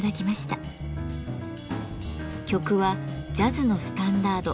曲はジャズのスタンダード